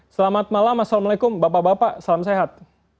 selamat malam assalamualaikum bapak bapak salam sehat